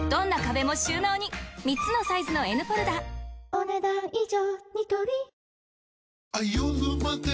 お、ねだん以上。